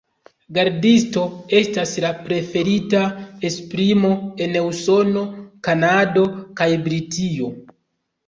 Gardisto estas la preferita esprimo en Usono, Kanado, kaj Britio.